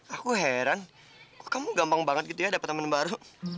aku heran kamu gampang banget gitu ya dapet temen baru